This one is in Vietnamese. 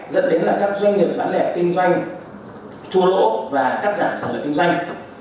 dẫn đến các doanh nghiệp bán lẻ kinh doanh thu lỗ và cắt giảm sản lượng kinh doanh